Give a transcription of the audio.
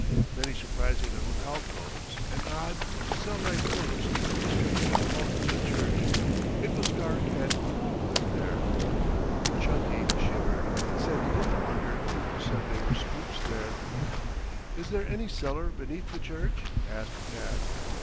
Many surprising little alcoves and odd, cell like rooms were distributed all through the church. It was dark and cool in there. Chunky shivered, and said he didn't wonder people said there were spooks there. "Is there any cellar beneath the church?" asked Tad.